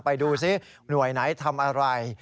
ไปดูซิหน่วยไหนทำอะไร